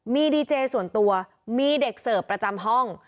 มีดีเจส่วนตัวมีเด็กเสิร์ฟประจำห้อง